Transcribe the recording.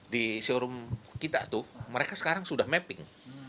di showroom kita tuh mereka sekarang sudah mapping